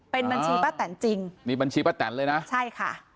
เป็นบัญชีป้าแตนจริงนี่บัญชีป้าแตนเลยนะใช่ค่ะ